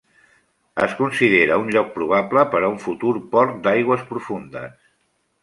Es considera un lloc probable per a un futur port d'aigües profundes.